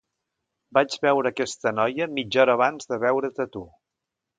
Vaig veure aquesta noia mitja hora abans de veure't a tu.